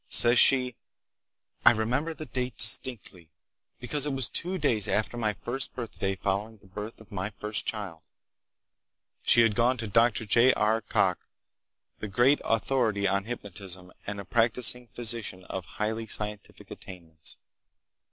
Says she: "I remember the date distinctly, because it was two days after my first birthday following the birth of my first child." She had gone to Dr. J. R. Cocke, the great authority on hypnotism and a practicing physician of high scientific attainments.